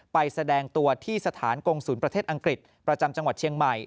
แสดงตัวที่สถานกงศูนย์ประเทศอังกฤษประจำจังหวัดเชียงใหม่